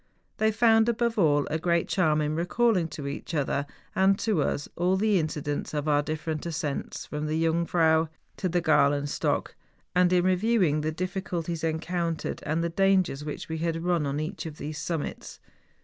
Tliey found, above all, a great charm in recalling to each other, and to us all the incidents of our different ascents, from the Jung 90 MOUNTAIN ADVENTURES. frail to the Gralenstock, and in reviewing the diffi¬ culties encountered, and the dangers which we had run on each of these summits.